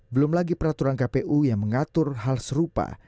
belum lagi peraturan kpu yang mengatur hal serupa